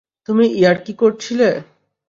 তুমি ইয়ার্কি করছিলে।